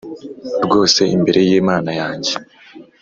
rwose imbere y Imana yanjye